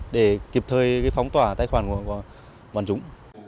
để kịp thời phóng tỏa tài khoản của bọn chúng